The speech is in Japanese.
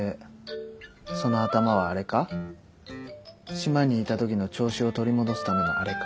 島にいたときの調子を取り戻すためのあれか？